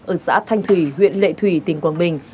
ở xã thanh thủy huyện lệ thủy tỉnh quảng bình